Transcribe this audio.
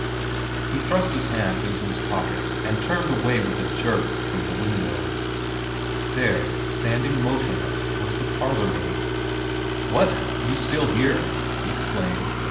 ... He thrust his hands into his pockets and turned away with a jerk from the window. There, standing motionless, was the parlourmaid. ' What ? You still here ?' he exclaimed.